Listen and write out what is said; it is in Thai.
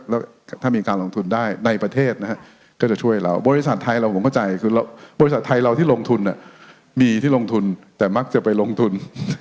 แล้วถ้ามีการลงทุนได้ในประเทศนะฮะก็จะช่วยเราบริษัทไทยเราผมเข้าใจคือบริษัทไทยเราที่ลงทุนมีที่ลงทุนแต่มักจะไปลงทุน